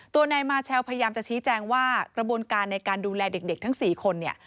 ตัวนายมาเชลพยายามจะชี้แจงว่ากระบวนการในการดูแลเด็กทั้ง๔คนเนี่ย